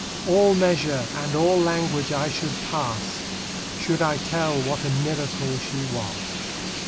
All measure, and all language I should pass, Should I tell what a miracle she was.